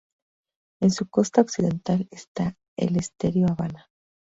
En su costa occidental está el estero Havana.